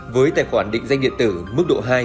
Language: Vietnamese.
với tài khoản định danh điện tử mức độ hai